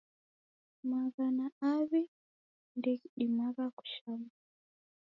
Maghana aw'i ndeghidimagha kusha mufu.